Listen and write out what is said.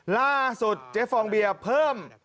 ล่าสุดเจฟองเบียเพิ่ม